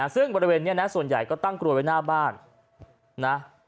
ซึ่งบริเวณนี้นะส่วนใหญ่ก็ตั้งกลวยไว้หน้าบ้านนะ